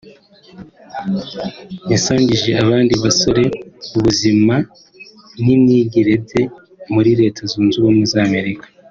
yasangije abandi bagore ubuzima n’ imyigire bye muri Leta Zunze Ubumwe za Amerika